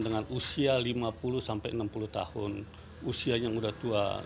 dengan usia lima puluh sampai enam puluh tahun usianya sudah tua